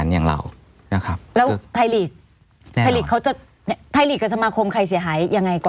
อย่างไรกว่ากัน